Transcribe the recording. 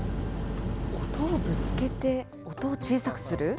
音をぶつけて音を小さくする？